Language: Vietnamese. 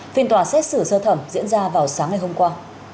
phiên tòa xét xử sơ thẩm diễn ra vào sáng ngày hôm qua